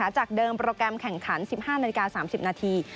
จากเดิมโปรแกรมแข่งขัน๑๕นาฬิกา๓๐นาที